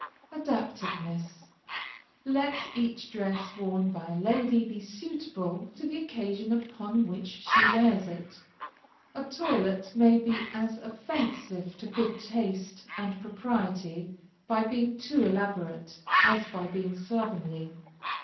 ADAPTIVENESS Let each dress worn by a lady be suitable to the occasion upon which she wears it. A toilet may be as offensive to good taste and propriety by being too elaborate, as by being slovenly.